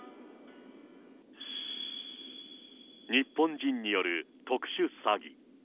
日本人による特殊詐欺。